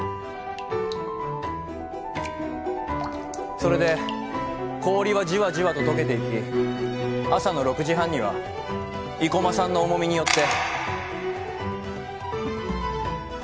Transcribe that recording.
それで氷はじわじわととけていき朝の６時半には生駒さんの重みによって。